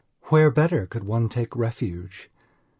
Where better could one take refuge?